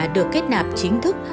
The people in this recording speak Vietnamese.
được kết nạp chính thức